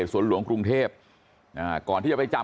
สวัสดีครับคุณผู้ชาย